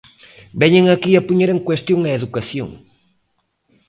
Veñen aquí a poñer en cuestión a educación.